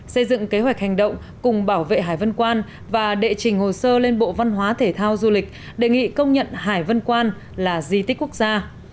xây dựng kế hoạch hành động cùng bảo vệ hải vân quan và đệ trình hồ sơ lên bộ văn hóa thể thao du lịch đề nghị công nhận hải vân quan là di tích quốc gia